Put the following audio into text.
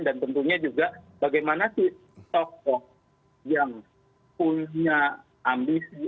dan tentunya juga bagaimana si sokoh yang punya ambisi